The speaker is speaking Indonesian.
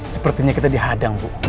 sepertinya kita dihadang bu